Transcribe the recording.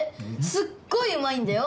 すっごいうまいんだよ。